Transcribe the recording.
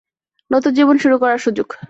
নতুন জীবন শুরু করার সুযোগ।